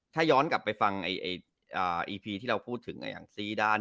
ถ้าย้อนกลับไปฟังไอไออ่าที่เราพูดถึงอ่ะอย่างซีด้าน